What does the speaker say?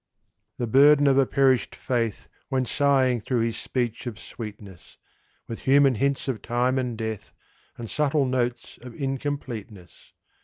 The burden of a perished faith Went sighing through his speech of sweetness, With human hints of time and death, And subtle notes of incompleteness.